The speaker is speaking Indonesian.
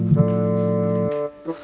kamu mau ke rumah